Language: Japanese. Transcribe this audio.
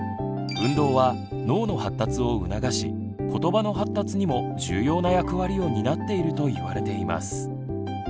運動は脳の発達を促しことばの発達にも重要な役割を担っていると言われています。